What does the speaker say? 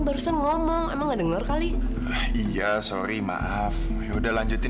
papa terlalu emosi